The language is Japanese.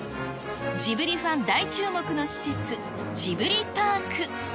ジブリファン大注目の施設、ジブリパーク。